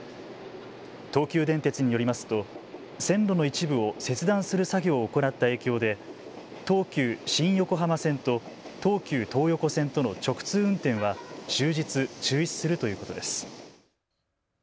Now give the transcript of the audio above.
東急電鉄によりますと線路の一部を切断する作業を行った影響で東急新横浜線と東急東横線との直通運転は終日、中止するということです。